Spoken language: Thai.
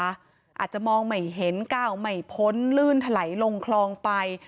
อาจจะมองไม่เห็นก้าวไม่พ้นลื่นถลัยลงคลองไป